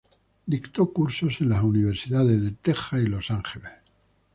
Dictó cursos en las Universidades de Texas y Los Ángeles.